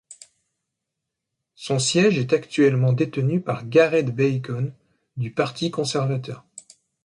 Son siège est actuellement détenu par Gareth Bacon du Parti conservateur.